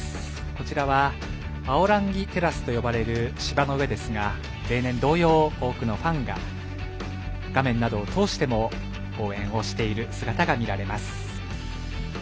こちらはアオランギテラスと呼ばれる芝の上ですが例年同様多くのファンが画面などを通しても応援をしている姿が見られます。